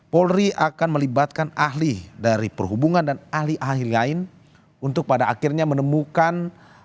polri akan melibatkan ahli dari perhubungan dan ahli ahli lain untuk pada akhirnya menemukan